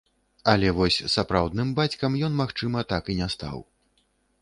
Але вось сапраўдным бацькам ён, магчыма, так і не стаў.